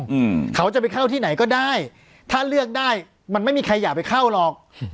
อืมเขาจะไปเข้าที่ไหนก็ได้ถ้าเลือกได้มันไม่มีใครอยากไปเข้าหรอกอืม